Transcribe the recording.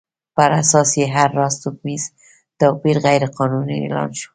پر اساس یې هر راز توکمیز توپیر غیر قانوني اعلان شو.